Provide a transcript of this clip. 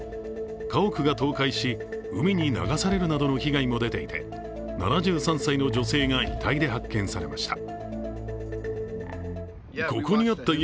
家屋が倒壊し、海に流されるなどの被害も出ていて７３歳の女性が遺体で発見されました。